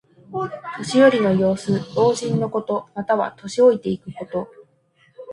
年寄りの様子。老人のこと。または、年老いていくこと。